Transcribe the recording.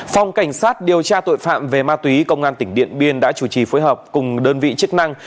phòng cảnh sát điều tra tội phạm về ma túy công an tỉnh điện biên đã chủ trì phối hợp cùng đơn vị chức năng